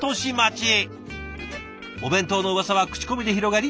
お弁当のうわさは口コミで広がり